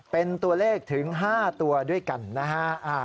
เป็นตัวเลขถึง๕ตัวด้วยกันนะฮะ